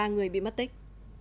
một mươi ba người bị mất tích